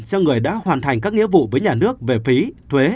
cho người đã hoàn thành các nghĩa vụ với nhà nước về phí thuế